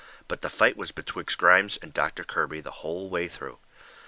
But the fight was betwixt Grimes and Doctor Kirby the hull way through.